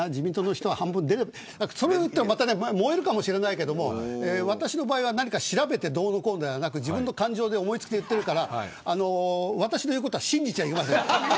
それを言ったら燃えるかもしれないけど私の場合は調べて、どうのこうのではなく自分の感情で思い付きで言っているから私の言うことは信じちゃいけません。